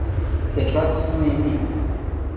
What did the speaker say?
Tekatzi oemi